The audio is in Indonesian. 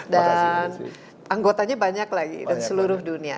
dan anggotanya banyak lagi di seluruh dunia